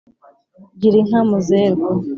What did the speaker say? gira inka muzerwa